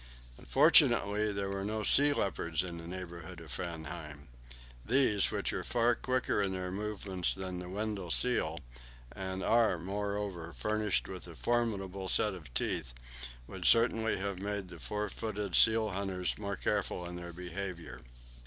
Unfortunately, there were no sea leopards in the neighbourhood of Framheim. These, which are far quicker in their movements than the Weddell seal, and are, moreover, furnished with a formidable set of teeth, would certainly have made the four footed seal hunters more careful in their behaviour.